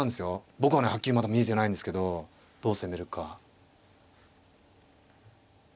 僕はねはっきりまだ見えてないんですけどどう攻めるか。